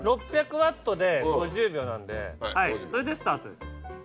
６００Ｗで５０秒なんでそれでスタートです。